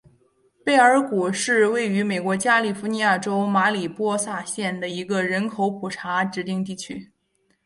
贝尔谷是位于美国加利福尼亚州马里波萨县的一个人口普查指定地区。